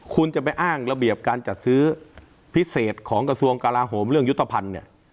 คุณจะไปอ้างระเบียบการจัดซื้อพิเศษของกระทรวงกลาโหมเรื่องยุทธภัณฑ์เนี่ย